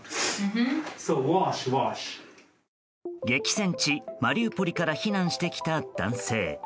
激戦地マリウポリから避難してきた男性。